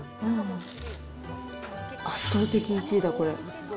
圧倒的１位だ、これ。